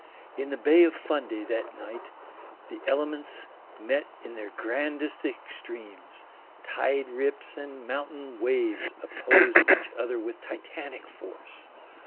In the Bay of Fundy that night the elements met in their grandest extremes. Tide rips and mountain waves opposed each other with titanic force.